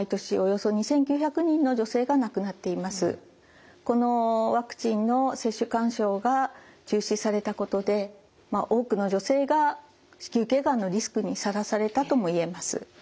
現在このワクチンの接種勧奨が中止されたことで多くの女性が子宮頸がんのリスクにさらされたとも言えます。